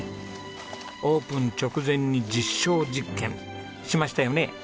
オープン直前に実証実験しましたよね？